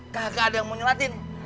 kagak ada yang mau nyelatin